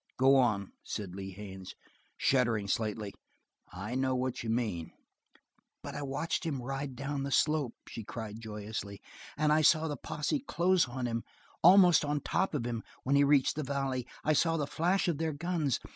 "Go on," said Lee Haines, shuddering slightly. "I know what you mean." "But I watched him ride down the slope," she cried joyously, "and I saw the posse close on him almost on top of him when he reached the valley. I saw the flash of their guns.